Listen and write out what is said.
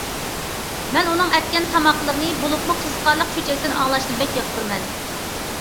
مەن ئۇنىڭ ئەتكەن تاماقلىرىنى، بولۇپمۇ قىزىقارلىق چۆچەكلىرىنى ئاڭلاشنى بەك ياقتۇرىمەن.